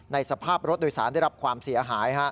สภาพรถโดยสารได้รับความเสียหาย